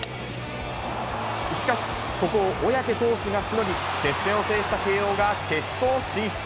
しかし、ここを小宅投手がしのぎ、接戦を制した慶応が決勝進出。